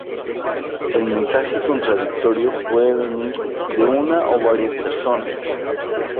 El mensaje contradictorio puede venir de una o varias personas.